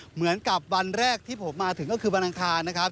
เหมือนกับวันแรกที่ผมมาถึงก็คือวันอังคารนะครับ